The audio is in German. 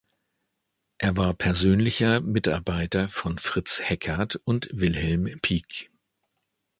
Er war persönlicher Mitarbeiter von Fritz Heckert und Wilhelm Pieck.